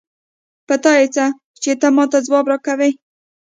په تا يې څه؛ چې ته ما ته ځواب راکوې.